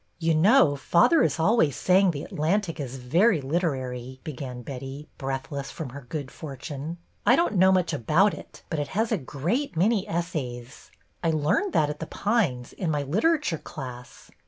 You know, father is always saying The Atlantic is very literary," began Betty, breath less from her good fortune. I don't know much about it, but it has a great many essays. I learned that at The Pines, in my literature class.